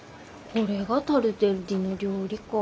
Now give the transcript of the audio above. これがタルデッリの料理か。